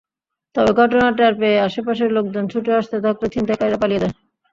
তবে ঘটনা টের পেয়ে আশপাশের লোকজন ছুটে আসতে থাকলে ছিনতাইকারীরা পালিয়ে যায়।